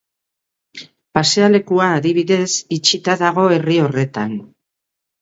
Pasealekua, adibidez, itxita dago herri horretan.